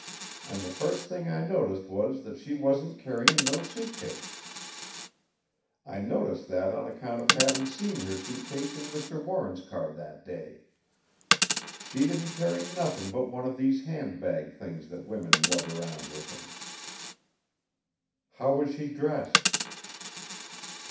An' the first thing I noticed was that she wasn't carryin' no suit case. I noticed that on account of havin' seen her suit case in Mr. Warren's car that day. She didn't carry nothin' but one of these handbag things that women lug around with 'em." "How was she dressed?"